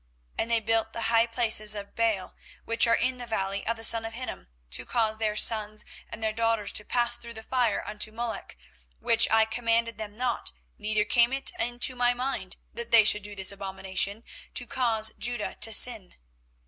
24:032:035 And they built the high places of Baal, which are in the valley of the son of Hinnom, to cause their sons and their daughters to pass through the fire unto Molech; which I commanded them not, neither came it into my mind, that they should do this abomination, to cause Judah to sin.